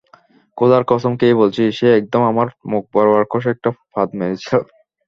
খোদার কসম খেয়ে বলছি, সে একদম আমার মুখ বরাবর কষে একটা পাদ মেরেছিল।